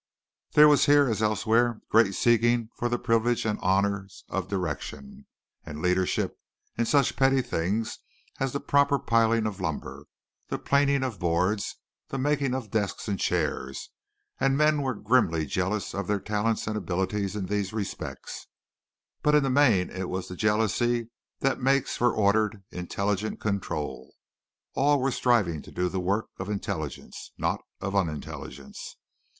There was here as elsewhere great seeking for the privileges and honors of direction and leadership in such petty things as the proper piling of lumber, the planing of boards, the making of desks and chairs, and men were grimly jealous of their talents and abilities in these respects, but in the main it was the jealousy that makes for ordered, intelligent control. All were striving to do the work of intelligence, not of unintelligence.